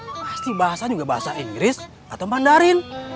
pasti bahasa juga bahasa inggris atau mandarin